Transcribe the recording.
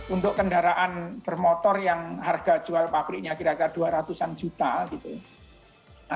untuk kendaraan bermotor yang harga jual pabriknya kira kira dua ratus an juta gitu